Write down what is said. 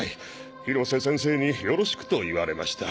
広瀬先生によろしく」と言われました。